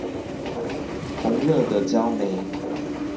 紅熱的焦煤